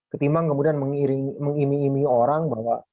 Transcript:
ketimbang kemudian mengimi imi orang bahwa